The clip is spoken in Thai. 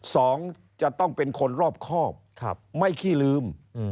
สองจะต้องเป็นคนรอบครอบไม่ขี้ลืม